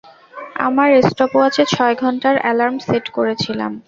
আমার স্টপওয়াচে ছয় ঘণ্টার এলার্ম সেট করেছিলাম।